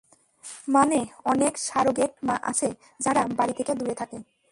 মানে, অনেক সারোগেট মা আছে যারা বাড়ি থেকে দূরে থাকে।